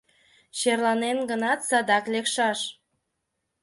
Черланен гынат, садак лекшаш.